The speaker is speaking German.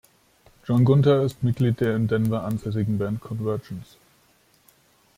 John Gunther ist Mitglied der in Denver ansässigen Band „Convergence“.